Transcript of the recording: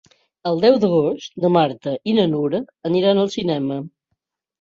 El deu d'agost na Marta i na Nura aniran al cinema.